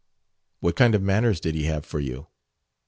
"What kind of manners did he have for you?"